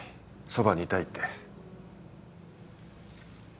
そばにいたいって。